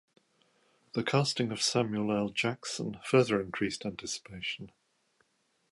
The casting of Samuel L. Jackson further increased anticipation.